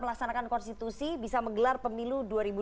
melaksanakan konstitusi bisa menggelar pemilu